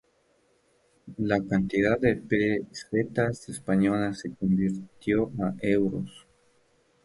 la cantidad de pesetas españolas se convirtió a euros